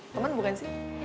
temen bukan sih